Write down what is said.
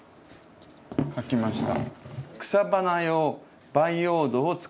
書きました。